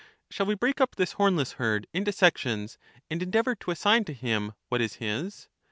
Shall we break up this hornless herd into sections, and endeavour to assign to him what is his